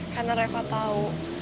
karena reva tahu